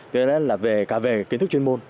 thế đó là cả về kiến thức chuyên môn